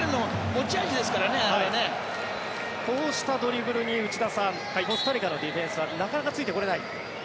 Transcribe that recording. こうしたドリブルに内田さん、コスタリカのディフェンスはなかなかついてこない。